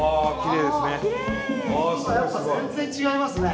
やっぱ全然違いますね。